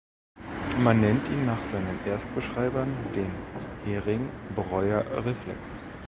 Man nennt ihn nach seinen Erstbeschreibern den Hering-Breuer-Reflex.